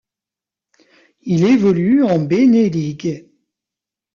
Il évolue en BeNe League.